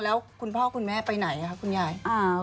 แล้วคุณพ่อคุณแม่ไปไหนคะคุณยาย